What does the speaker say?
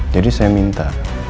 jadi saya minta